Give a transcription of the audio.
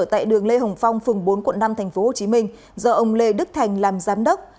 tại đường lê hồng phong phường bốn quận năm tp hcm do ông lê đức thành làm giám đốc